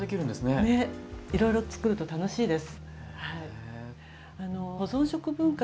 いろいろ作ると楽しいです。